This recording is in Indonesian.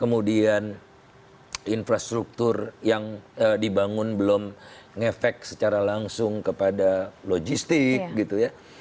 kemudian infrastruktur yang dibangun belum ngefek secara langsung kepada logistik gitu ya